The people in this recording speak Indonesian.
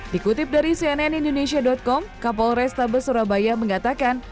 dikutip dari cnn indonesia com kapol restabes surabaya mengatakan